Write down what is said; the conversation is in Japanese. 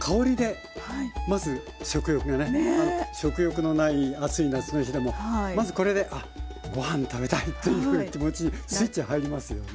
食欲のない暑い夏の日でもまずこれであっごはん食べたいっていうふうな気持ちにスイッチ入りますよね。